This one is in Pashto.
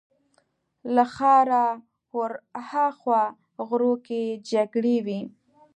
له ښاره ورهاخوا غرو کې جګړې وې.